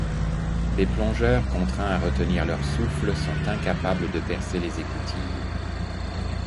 Des plongeurs, contraints à retenir leur souffle, sont incapables de percer les écoutilles.